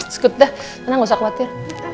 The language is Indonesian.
sekut dah nenek gak usah khawatir